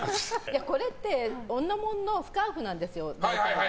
これって、女物のスカーフなんですよ、大体。